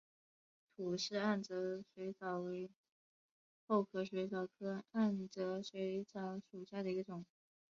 吐氏暗哲水蚤为厚壳水蚤科暗哲水蚤属下的一个种。